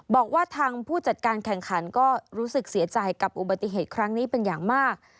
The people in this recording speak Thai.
บอกว่าทางผู้จัดการแข่งขันก็รู้สึกเสียใจกับอุบัติเหตุครั้งนี้เป็นอย่างมาก